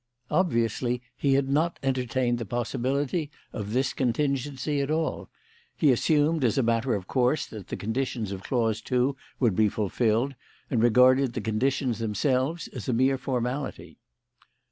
Obviously, he had not entertained the possibility of this contingency at all. He assumed, as a matter of course, that the conditions of clause two would be fulfilled, and regarded the conditions themselves as a mere formality."